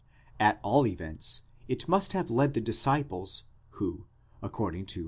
At all vents it must have led the disciples who, according to v.